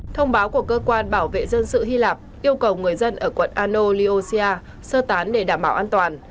thông báo của cơ quan bảo vệ dân sự hy lạp yêu cầu người dân ở quận ano lyosia sơ tán để đảm bảo an toàn